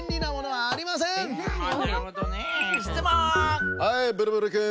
はいブルブルくん。